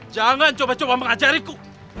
jangan coba coba mengajariku